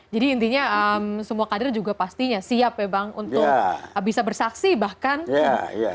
jadi intinya semua kader juga pastinya siap ya bang untuk bisa bersaksi bahkan soal apa